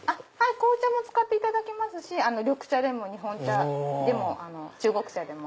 紅茶も使っていただけますし緑茶でも日本茶でも中国茶でも。